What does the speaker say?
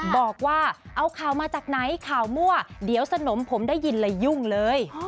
บอกว่าเอาข่าวมาจากไหนข่าวมั่วเดี๋ยวสนมผมได้ยินเลยยุ่งเลย